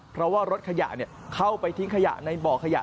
เพราะว่ารถขยะเข้าไปทิ้งขยะในบ่อขยะ